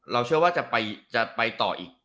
เราเชื่อว่าจะไปต่อ